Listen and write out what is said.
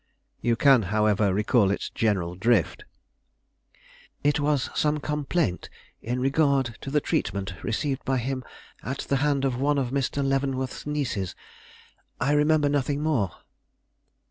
"You can, however, recall its general drift?" "It was some complaint in regard to the treatment received by him at the hand of one of Mr. Leavenworth's nieces. I remember nothing more."